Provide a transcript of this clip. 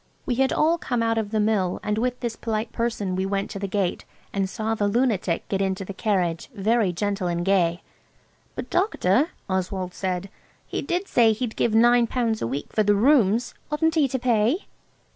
We had all come out of the Mill, and with this polite person we went to the gate, and saw the lunatic get into the carriage, very gentle and gay. "But, Doctor," Oswald said, "he did say he'd give nine pounds a week for the rooms. Oughtn't he to pay?"